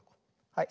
はい。